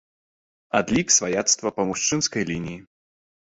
Адлік сваяцтва па мужчынскай лініі.